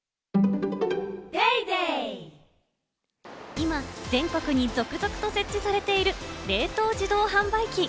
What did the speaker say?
今、全国に続々と設置されている冷凍自動販売機。